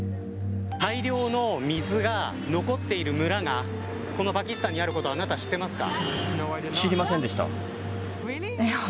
大量の水が残っている村がこのパキスタンにあることをあなたは知っていますか。